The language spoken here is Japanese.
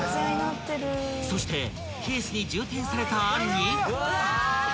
［そしてケースに充填された餡に］